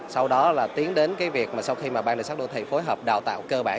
sau đó là tiến đến cái việc mà sau khi mà ban đường sắt đô thị phối hợp đào tạo cơ bản